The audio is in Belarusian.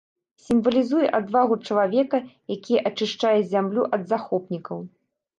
Сімвалізуе адвагу чалавека, які ачышчае зямлю ад захопнікаў.